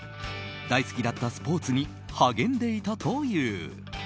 大好きだったスポーツに励んでいたという。